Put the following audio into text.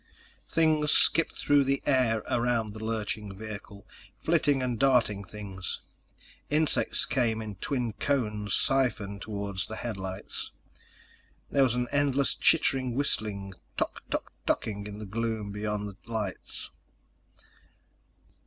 Things skipped through the air around the lurching vehicle: flitting and darting things. Insects came in twin cones, siphoned toward the headlights. There was an endless chittering whistling tok tok toking in the gloom beyond the lights.